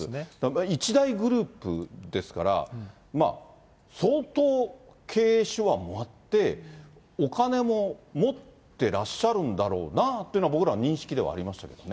一大グループですから、相当経営手腕もあって、お金も持ってらっしゃるんだろうなというのは、僕らは認識ではありましたけどね。